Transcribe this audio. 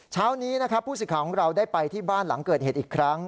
เช้านี้นะครับผู้สิทธิ์ของเราได้ไปที่บ้านหลังเกิดเหตุอีกครั้ง